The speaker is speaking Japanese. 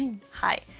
はい。